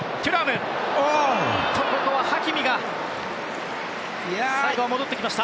ここはハキミが最後は戻ってきました。